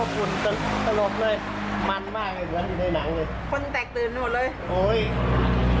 ย้อนรถกลับไปข้างด้านโน้นแหละก็ยิงยังตั้งแต่ยืนเทินอีก